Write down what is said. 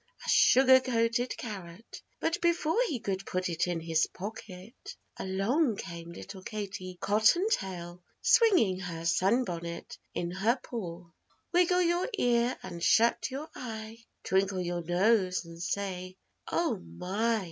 A sugar coated carrot. But before he could put it in his pocket along came little Katie Cottontail, swinging her sunbonnet in her paw. "Wiggle your ear and shut your eye, Twinkle your nose and say 'Oh my!'"